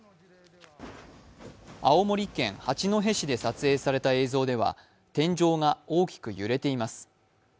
青森県八戸市で撮影された映像では、天井が大きく揺れています。